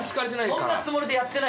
そんなつもりでやってない。